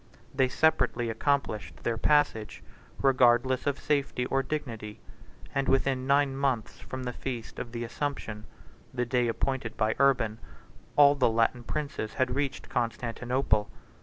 They separately accomplished their passage, regardless of safety or dignity; and within nine months from the feast of the Assumption, the day appointed by Urban, all the Latin princes had reached Constantinople.